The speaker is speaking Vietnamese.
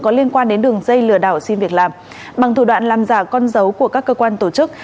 có liên quan đến đường dây lừa đảo xin việc làm bằng thủ đoạn làm giả con dấu của các cơ quan tổ chức